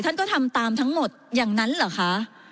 ท่านก็ทำตามทั้งหมดอย่างนั้นเหรอคะ